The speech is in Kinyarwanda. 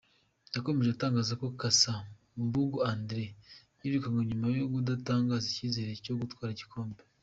Yakomeje atangaza ko Cassa Mbungo André yirukanywe nyuma yo kudatanga icyizere cyo gutwara igikombe.